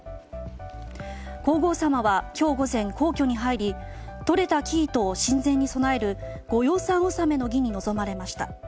皇后さまは今日午前、皇居に入りとれた生糸を神前に供える御養蚕納の儀に臨まれました。